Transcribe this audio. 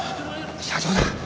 社長だ。